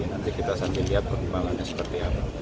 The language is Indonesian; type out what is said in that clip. nanti kita sambil lihat perkembangannya seperti apa